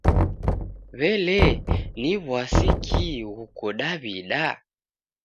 W'ele, ni w'asi ki ghuko Daw'ida?